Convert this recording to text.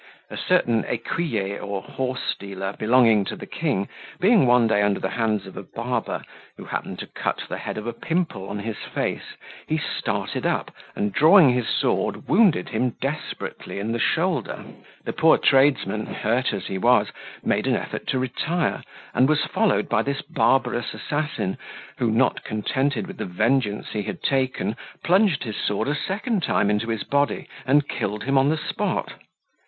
A certain ecuyer, or horsedealer, belonging to the king, being one day under the hands of a barber, who happened to cut the head of a pimple on his face, he started up, and drawing his sword, wounded him desperately in the shoulder. The poor tradesman, hurt as he was, made an effort to retire, and was followed by this barbarous assassin, who, not contented with the vengeance he had taken, plunged his sword a second time into his body, and killed him on the spot.